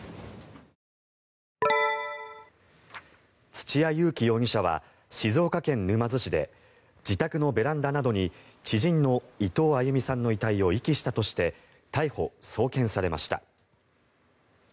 土屋勇貴容疑者は静岡県沼津市で自宅のベランダなどに知人の伊藤亜佑美さんの遺体を遺棄したとして逮捕・送検されました。